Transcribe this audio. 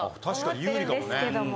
確かに有利かもね。